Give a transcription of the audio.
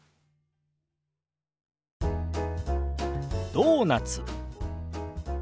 「ドーナツ」。